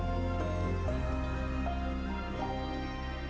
ketika berhenti kearifan lokal berlalu berjalan ke arah tempat yang tidak terkenal